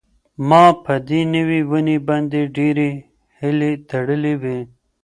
ما په دې نوې ونې باندې ډېرې هیلې تړلې وې.